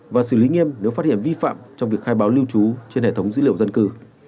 và xử lý nghiêm nếu phát hiện vi phạm trong việc khai báo lưu trú trên hệ thống dữ liệu dân cư